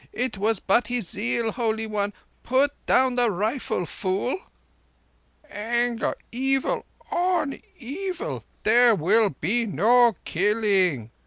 It was but his zeal, Holy One! ... Put down the rifle, fool!" "Anger on anger! Evil on evil! There will be no killing.